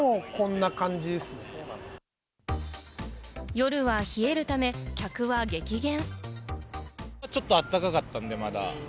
夜は冷えるため、客は激減。